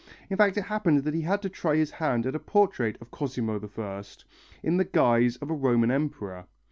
In fact it happened that he had to try his hand at a portrait of Cosimo I, in the guise of a Roman emperor.